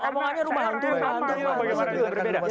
omongannya bu nyarikat untuk dari satu tv ke tv lain lain sama gini terus